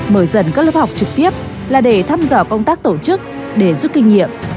mở dần các lớp học trực tiếp là để thăm dò công tác tổ chức để rút kinh nghiệm